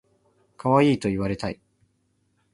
かわいいと言われたい